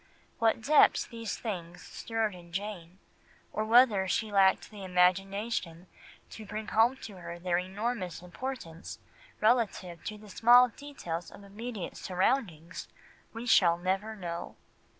What depths these things stirred in Jane, or whether she lacked the imagination to bring home to her their enormous importance relative to the small details of immediate surroundings, we shall never know.